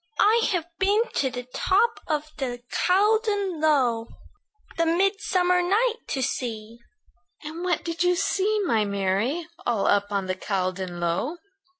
"I've been to the top of the Caldon Low, The midsummer night to see." "And what did you see, my Mary, All up on the Caldon Low?"